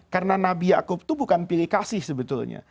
karena nabi yaakub itu bukan pilih kasih sebetulnya